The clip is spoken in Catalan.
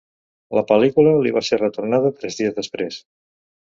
La pel·lícula li va ser retornada tres dies després.